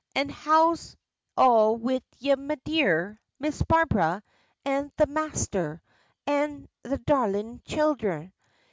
An' how's all wid ye, me dear Miss Barbara, an' the masther, an' the darling childher?